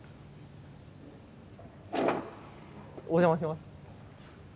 お邪魔します。